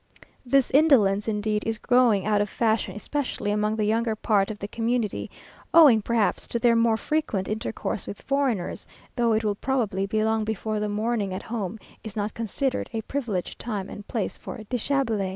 This indolence, indeed, is going out of fashion, especially among the younger part of the community, owing, perhaps, to their more frequent intercourse with foreigners, though it will probably be long before the morning at home is not considered a privileged time and place for dishabille.